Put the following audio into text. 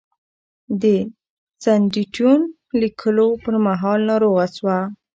د "سندیتون" لیکلو پر مهال ناروغه شوه.